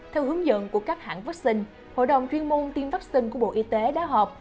theo hướng dẫn của các hãng vaccine hội đồng chuyên môn tiêm vaccine của bộ y tế đã họp